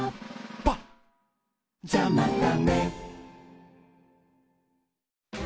「パッじゃまたね」